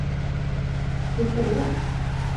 Vilka då?